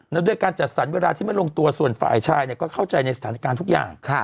แล้วด้วยการจัดสรรเวลาที่ไม่ลงตัวส่วนฝ่ายชายก็เข้าใจในสถานการณ์ทุกอย่าง